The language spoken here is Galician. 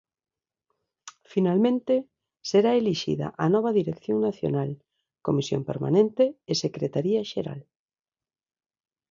Finalmente, será elixida a nova Dirección Nacional, Comisión Permanente e Secretaría Xeral.